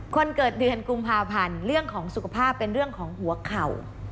คนเกิดเดือนกุมภาพันธ์เรื่องของสุขภาพเป็นเรื่องของหัวเข่า